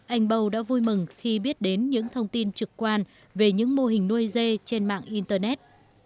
anh bâu đã vui mừng khi biết đến những thông tin trực quan về những mô hình nuôi dê trên mạng internet